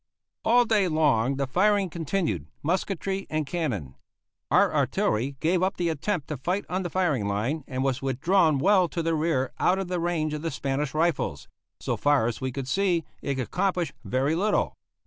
All day long the firing continued musketry and cannon. Our artillery gave up the attempt to fight on the firing line, and was withdrawn well to the rear out of range of the Spanish rifles; so far as we could see, it accomplished very little.